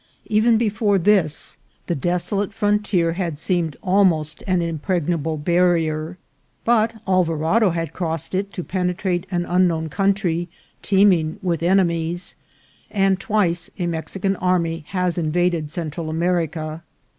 Even before this the desolate fron 248 INCIDENTS OF TRAVEL. tier had seemed almost an impregnable barrier ; but Alvarado had crossed it to penetrate an unknown coun try teeming with enemies, and twice a Mexican army has invaded Central America.